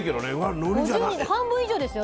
半分以上ですよ？